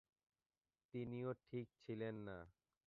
তিনিও ঠিক ছিলেন না।